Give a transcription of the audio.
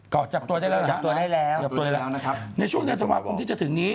ก็จับตัวได้แล้วนะครับในช่วงเดือนธันวาคมที่จะถึงนี้